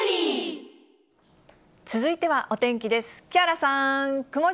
続いてはお天気です。